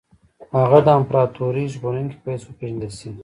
هغه د امپراطوري ژغورونکي په حیث وپېژندل شي.